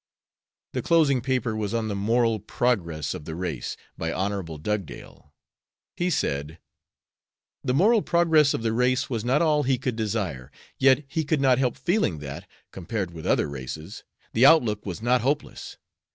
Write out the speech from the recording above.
The closing paper was on the "Moral Progress of the Race," by Hon. Dugdale. He said: "The moral progress of the race was not all he could desire, yet he could not help feeling that, compared with other races, the outlook was not hopeless.